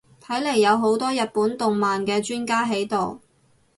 睇嚟有好多日本動漫嘅專家喺度